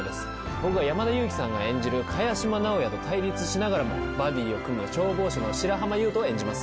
僕は山田裕貴さんが演じる萱島直哉と対立しながらもバディを組む消防士の白浜優斗を演じます